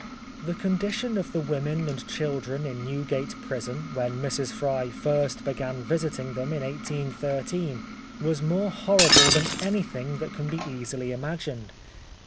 The condition of the women and children in Newgate Prison, when Mrs. Fry first began visiting them in 1813, was more horrible than anything that can be easily imagined.